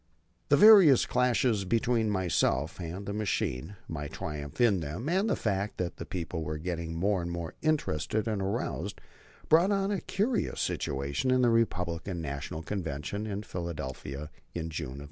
The various clashes between myself and the machine, my triumph in them, and the fact that the people were getting more and more interested and aroused, brought on a curious situation in the Republican National Convention at Philadelphia in June, 1900.